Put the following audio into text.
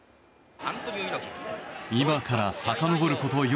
今からさかのぼること